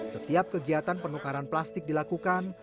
setiap kegiatan penukaran plastik dilakukan